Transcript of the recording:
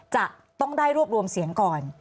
จะต้องได้รวบรวมเสียงก่อน